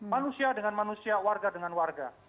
manusia dengan manusia warga dengan warga